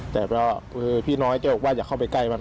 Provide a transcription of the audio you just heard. แต่พี่น้อยจะบอกว่าอย่าเข้าไปใกล้มัน